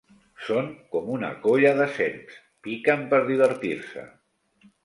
Són com una colla de serps. Piquen per divertir-se.